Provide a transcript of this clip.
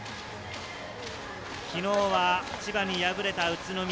昨日は千葉に敗れた宇都宮。